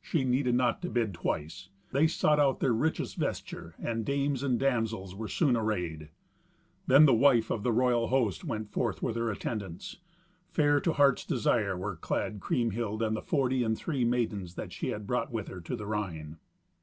She needed not to bid twice; they sought out their richest vesture, and dames and damsels were soon arrayed. Then the wife of the royal host went forth with her attendants. Fair to heart's desire were clad Kriemhild and the forty and three maidens that she had brought with her to the Rhine.